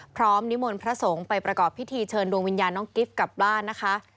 นิมนต์พระสงฆ์ไปประกอบพิธีเชิญดวงวิญญาณน้องกิฟต์กลับบ้านนะคะ